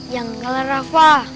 jangan lah rafa